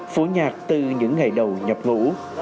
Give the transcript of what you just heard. phổ nhạc từ những ngày đầu nhập ngũ